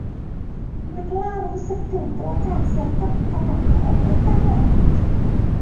นักล่ารู้สึกตื่นตัวจากเสียงตะกุกตะกักของพืชผักข้างหลัง